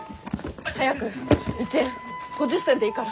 早く１円５０銭でいいから。